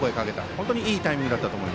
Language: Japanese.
本当にいいタイミングでしたね。